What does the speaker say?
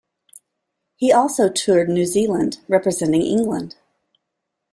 He also toured New Zealand representing England.